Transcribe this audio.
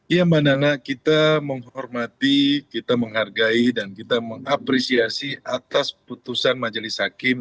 ya mbak nana kita menghormati kita menghargai dan kita mengapresiasi atas putusan majelis hakim